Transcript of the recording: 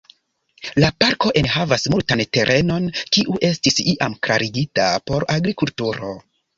La parko enhavas multan terenon kiu estis iam klarigita por agrikulturo.